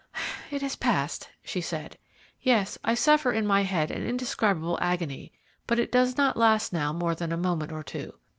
"It has passed," she said. "Yes, I suffer in my head an indescribable agony, but it does not last now more than a moment or two.